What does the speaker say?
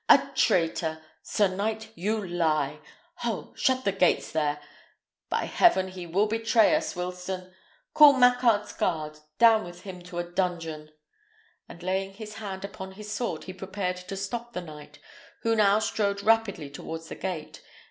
"A traitor! Sir knight, you lie! Ho! shut the gates there! By heaven! he will betray us, Wilsten! Call Marquard's guard; down with him to a dungeon!" and laying his hand upon his sword, he prepared to stop the knight, who now strode rapidly towards the gate.